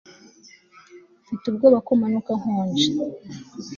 Mfite ubwoba ko manuka nkonje